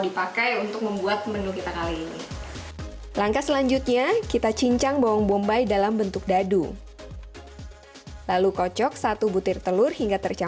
dipakai untuk membuat menu kita kali ini langkah selanjutnya kita cincang bawang bombay dalam bentuk dadu lalu kocok satu butir telur hingga tercapai